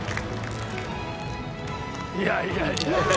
いやいやいやいや。